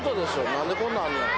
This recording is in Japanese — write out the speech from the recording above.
何でこんなんあんのやろ。